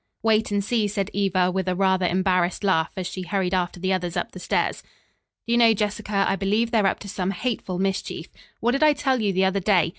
"Wait and see," said Eva with a rather embarrassed laugh, as she hurried after the others up the stairs. "Do you know, Jessica, I believe they're up to some hateful mischief. What did I tell you the other day?